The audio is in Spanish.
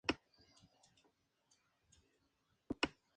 El álbum "Só Baladas" la elevó de nuevo a la popularidad.